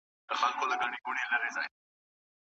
روژه دا عادت کمزوری کوي.